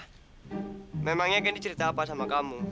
kendi memang menceritakan apa dengan kamu